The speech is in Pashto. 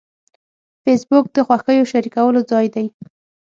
فېسبوک د خوښیو شریکولو ځای دی